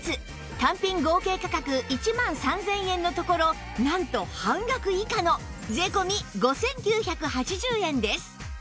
単品合計価格１万３０００円のところなんと半額以下の税込５９８０円です